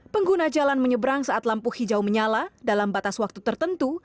pengguna jalan menyeberang saat lampu hijau menyala dalam batas waktu tertentu